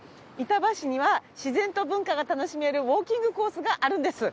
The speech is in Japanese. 板橋には自然と文化が楽しめるウォーキングコースがあるんです。